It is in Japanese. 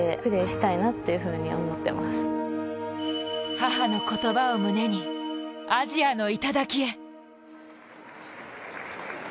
母の言葉を胸に、アジアの頂へ。